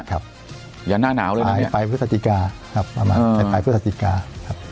ครับอย่าหน้าหนาวเลยไปพฤศจิกาครับประมาณไปพฤศจิกาครับ